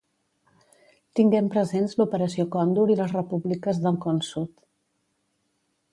Tinguem presents l'operació Còndor i les repúbliques del Con Sud.